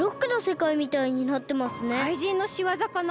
かいじんのしわざかな？